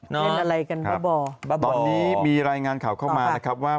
เห็นอะไรกันบ้าบ่อตอนนี้มีรายงานข่าวเข้ามานะครับว่า